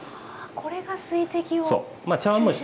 これが水滴を吸収。